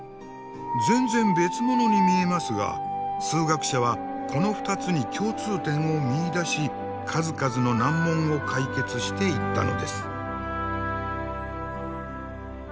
全然別ものに見えますが数学者はこの２つに共通点を見いだし数々の難問を解決していったのです。